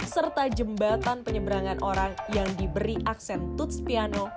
serta jembatan penyeberangan orang yang diberi aksen tuts piano